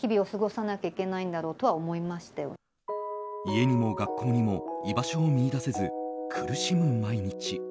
家にも学校にも居場所を見いだせず苦しむ毎日。